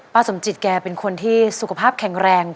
สมจิตแกเป็นคนที่สุขภาพแข็งแรง